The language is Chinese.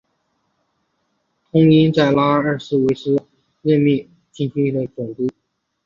通因在拉玛二世在位末期被任命为那空叻差是玛的总督。